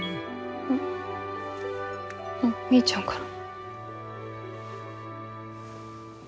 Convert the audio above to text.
あっみーちゃんから。